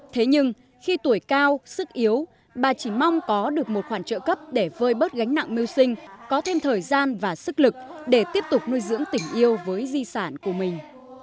thế nhưng khi tuổi cao sức yếu bà chỉ mong có được một khoản trợ cấp để vơi bớt gánh nặng mưu sinh có thêm thời gian và sức lực để tiếp tục nuôi dưỡng tình yêu với di sản của mình